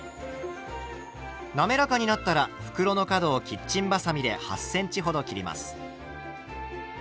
滑らかになったら袋の角をキッチンばさみで８ｃｍほど切ります。